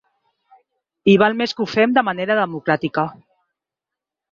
I val més que ho fem de manera democràtica.